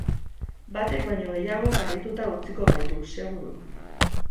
Batek baino gehiagok harrituta utziko gaitu, seguru.